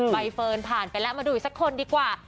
ใบเฟิร์นผ่านไปแล้วมาดูอีกสักคนดีกว่า